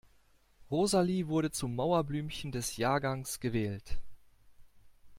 Rosalie wurde zum Mauerblümchen des Jahrgangs gewählt.